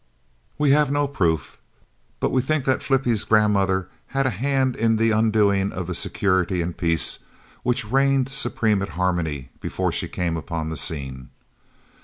We have no proof, but we think that Flippie's grandmother had a hand in the undoing of the security and peace which reigned supreme at Harmony before she came upon the scene.